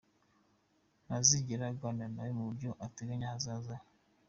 Ntazigera aganira nawe ku byo ateganya ahazaza he.